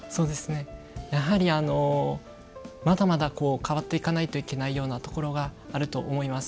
やはりまだまだ、変わっていかないといけないようなところがあると思います。